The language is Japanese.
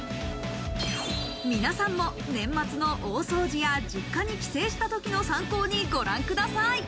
皆さんも、年末の大掃除や実家に帰省したときの参考にご覧ください。